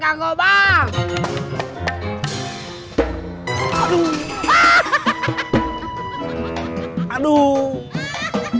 tempatan buat ngebales